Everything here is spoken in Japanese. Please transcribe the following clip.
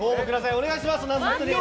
お願いします。